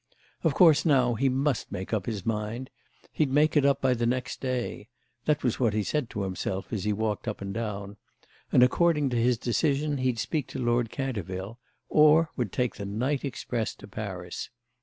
Of course, now, he must make up his mind; he'd make it up by the next day: that was what he said to himself as he walked up and down; and according to his decision he'd speak to Lord Canterville or would take the night express to Paris.